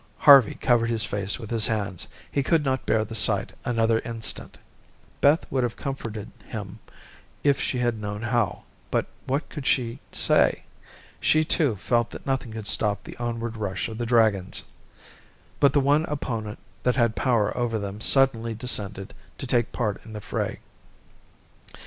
Harvey covered his face with his hands. He could not bear the sight another instant. Beth would have comforted him if she had known how, but what could she say? She, too, felt that nothing could stop the onward rush of the dragons. But the one opponent that had power over them suddenly descended to take part in the fray.